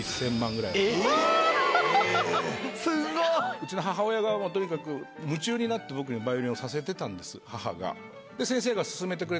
うちの母親がもうとにかく夢中になって僕にバイオリンをさせてたんです母が。